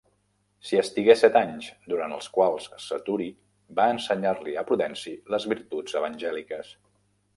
S'hi estigué set anys, durant els quals Saturi va ensenyar-li a Prudenci les virtuts evangèliques.